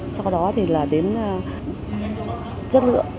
sau đó thì là đến chất lượng